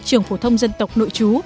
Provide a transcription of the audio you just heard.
trường phổ thông dân tộc nội trú